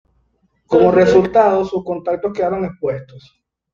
Como resultado, sus contactos quedaron expuestos.